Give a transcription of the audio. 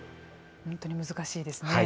本当に難しいですね。